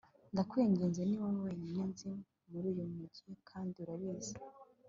ndakwinginze ni wowe wenyine nzi muri uyu mujyi kandi urabizi